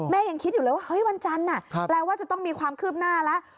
ยังคิดอยู่เลยว่าเฮ้ยวันจันทร์แปลว่าจะต้องมีความคืบหน้าแล้ว